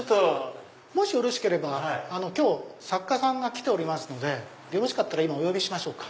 もしよろしければ今日作家さんが来ておりますので今お呼びしましょうか？